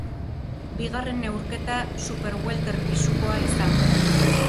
Bigarren neurketa superwelter pisukoa izango da.